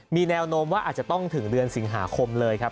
มีแนวโน้มว่าอาจจะต้องถึงเดือนสิงหาคมเลยครับ